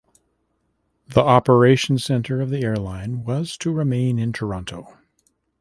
The operation centre of the airline was to remain in Toronto.